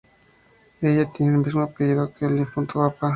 Ella tiene el mismo apellido que el difunto Papa.